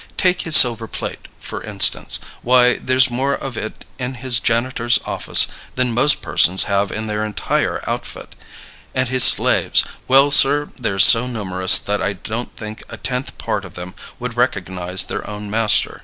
Take his silver plate, for instance. Why, there's more of it in his janitor's office than most persons have in their entire outfit; and his slaves well, sir, they're so numerous that I don't think a tenth part of them would recognize their own master.